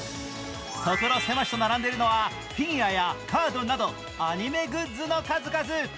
所狭しと並んでいるのはフィギュアやカードなどアニメグッズの数々。